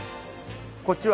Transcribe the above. こっちは？